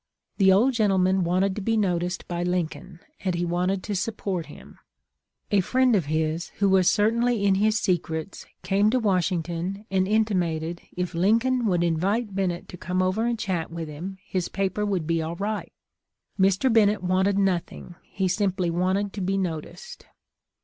The old gentleman wanted to be noticed by Lincoln, and he wanted to support him. A friend of his, who was certainly in his secrets, came to Washington and intimated if Lincoln would invite Bennett to come over and chat with him, his paper would be all right. Mr. Bennett wanted nothing, he simply wanted to be noticed.